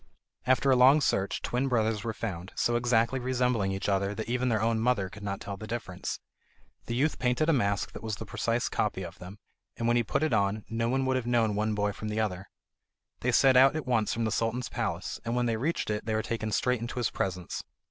After a long search twin brothers were found, so exactly resembling each other that even their own mother could not tell the difference. The youth painted a mask that was the precise copy of them, and when he had put it on, no one would have known one boy from the other. They set out at once for the Sultan's palace, and when they reached it, they were taken straight into his presence.